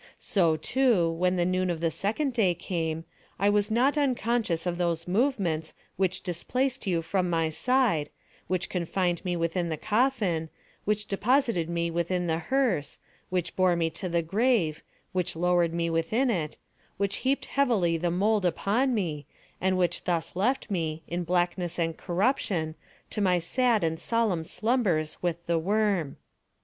So, too, when the noon of the second day came, I was not unconscious of those movements which displaced you from my side, which confined me within the coffin, which deposited me within the hearse, which bore me to the grave, which lowered me within it, which heaped heavily the mould upon me, and which thus left me, in blackness and corruption, to my sad and solemn slumbers with the worm.